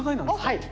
はい。